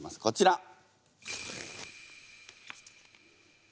こちら。